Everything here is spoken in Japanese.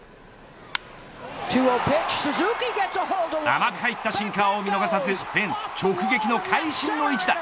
甘く入ったシンカーを見逃さずフェンス直撃の会心の一打。